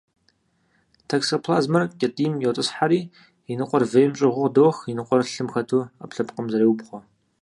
Токсоплазмэр кӏэтӏийм йотӏысхьэри, и ныкъуэр вейм щӏыгъуу къыдох, и ныкъуэр лъым хэту ӏэпкълъэпкъым зреубгъуэ.